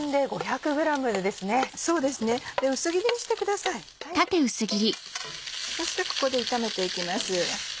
そしてここで炒めて行きます。